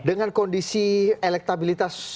dengan kondisi elektabilitas